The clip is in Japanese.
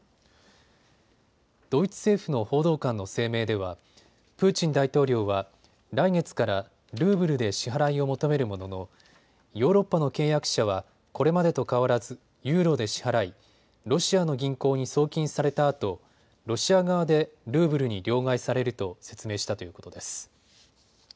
ドイツ政府の報道官の声明ではプーチン大統領は来月からルーブルで支払いを求めるもののヨーロッパの契約者はこれまでと変わらずユーロで支払い、ロシアの銀行に送金されたあとロシア側でルーブルに両替されると説明したということです。